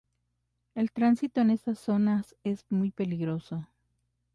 El tránsito en estas zonas es muy peligroso.